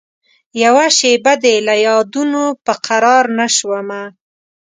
یوه شېبه دي له یادونوپه قرارنه شومه